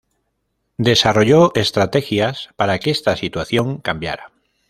Desarrolló estrategias para que esta situación cambiara.